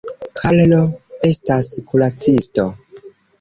Karlo estas kuracisto.